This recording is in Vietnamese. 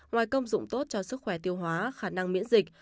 ngoài công dụng tốt cho sức khỏe tiêu hóa khả năng miễn dịch